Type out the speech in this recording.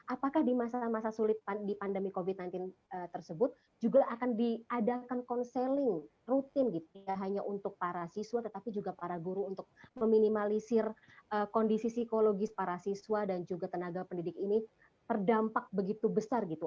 apakah di masa masa sulit di pandemi covid sembilan belas tersebut juga akan diadakan konseling rutin gitu ya hanya untuk para siswa tetapi juga para guru untuk meminimalisir kondisi psikologis para siswa dan juga tenaga pendidik ini terdampak begitu besar gitu